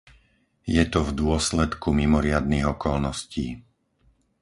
Je to v dôsledku mimoriadnych okolností.